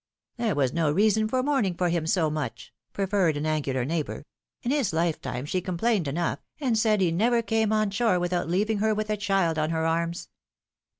There was no reason for mourning for him so much," proffered an angular neighbor. ^'In his lifetime she com plained enough, and said he never came on shore without leaving her with a child on her arms